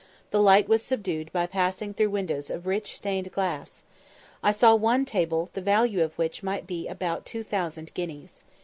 The light was subdued by passing through windows of rich stained glass. I saw one table the value of which might be about 2000 guineas.